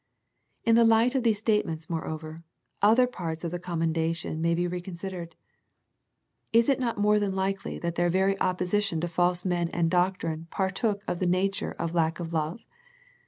In the light of these statements moreover, other parts of the commendation may be recon sidered. Is it not more than likely that their very opposition to false men and doctrine par took of the nature of lack of love?